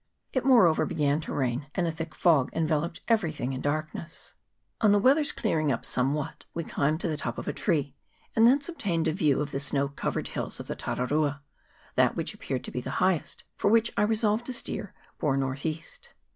It moreover began to rain, and a thick fog enveloped everything in darkness. On the weather's clearing up somewhat, we climbed to the top of a tree, and thence obtained a view of the snow covered hills of the Tararua ; that which appeared the highest, and for which I resolved to steer, bore north east.